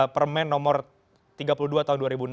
permen nomor tiga puluh dua tahun dua ribu enam belas